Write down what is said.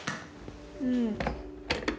うん。